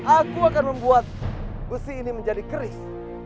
aku akan membuat besi ini menjadi keris